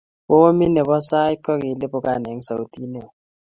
Bomit nepo sait kokilipukan eng sautit neo